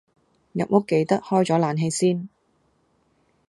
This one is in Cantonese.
入屋記得開咗冷氣先